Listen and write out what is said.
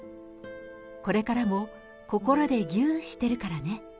これからも心でぎゅーしてるからね。